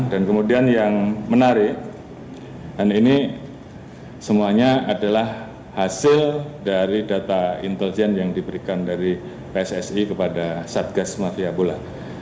dan kemudian yang menarik dan ini semuanya adalah hasil dari data intelijen yang diberikan dari pssi kepada satgas mafia bola